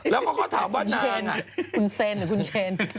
แล้วเขาก็ถามว่านางคุณเซนคุณเชน